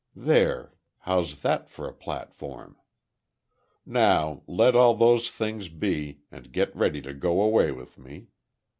There, how's that for a platform? Now, let all those things be, and get ready to go away with me.